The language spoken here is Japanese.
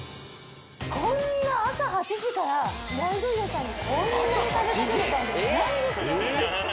こんな朝８時から大女優さんにこんなに食べさせる番組ないですよ！